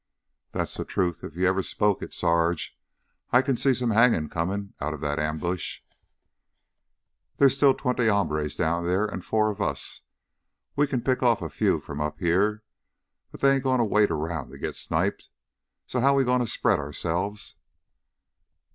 "That's the truth if you ever spoke it, Sarge. I can see some hangin's comin' out of that ambush." "Theah's still twenty hombres down theah, an' four of us. We can pick off a few from up heah, but they ain't gonna wait around to git sniped. So, how we gonna spread ourselves